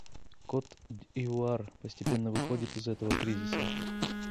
Кот-д'Ивуар постепенно выходит из этого кризиса.